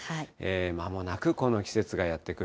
まもなくこの季節がやって来る。